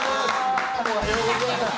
「おはようございます」